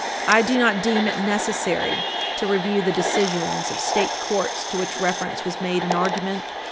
I do not deem it necessary to review the decisions of state courts to which reference was made in argument.